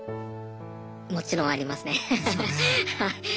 もちろんありますね。ですよね。